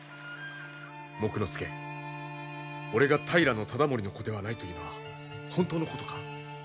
木工助俺が平忠盛の子ではないというのは本当のことか？